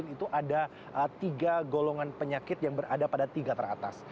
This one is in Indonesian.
itu ada tiga golongan penyakit yang berada pada tiga teratas